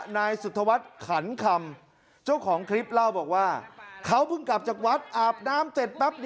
นายสุธวัฒน์ขันคำเจ้าของคลิปเล่าบอกว่าเขาเพิ่งกลับจากวัดอาบน้ำเสร็จปั๊บ